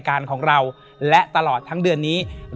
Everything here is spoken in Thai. และยินดีต้อนรับทุกท่านเข้าสู่เดือนพฤษภาคมครับ